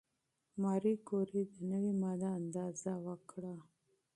ماري کوري د نوې ماده اندازه وکړه.